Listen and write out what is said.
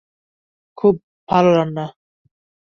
খুব ভালো রান্না।